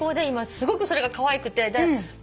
今すごくそれがかわいくて。